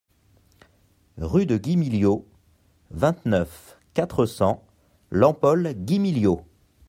Rue de Guimiliau, vingt-neuf, quatre cents Lampaul-Guimiliau